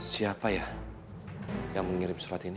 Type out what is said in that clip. siapa ya yang mengirim surat ini